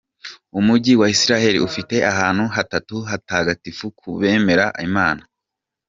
Umujyi wa Israel ufite ahantu hatatu hatagatifu ku bemera Imana.